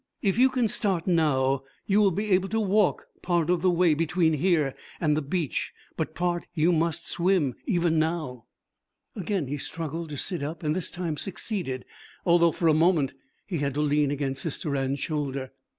If you can start now you will be able to walk part of the way between here and the beach; but part you must swim, even now.' Again he struggled to sit up and this time succeeded, although for a moment he had to lean against Sister Anne's shoulder.